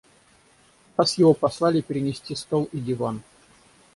Раз его послали перенести стол и диван.